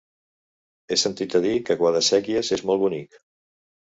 He sentit a dir que Guadasséquies és molt bonic.